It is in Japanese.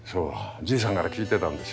じいさんから聞いてたんですよ。